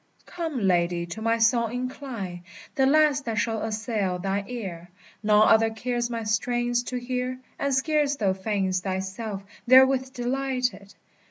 Come, lady, to my song incline, The last that shall assail thine ear. None other cares my strains to hear, And scarce thou feign'st thyself therewith delighted!